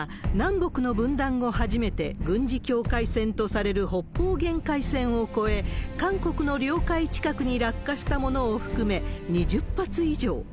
水曜日は、南北の分断後初めて軍事境界線とされる北方限界線を越え、韓国の領海近くに落下したものを含め、２０発以上。